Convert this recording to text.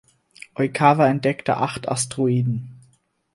Oikawa entdeckte acht Asteroiden.